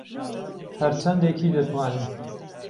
ههر چهندێکی دهتوانی